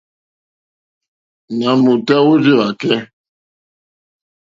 Nà m-ùtá wórzíwàkɛ́.